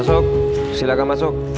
masuk silahkan masuk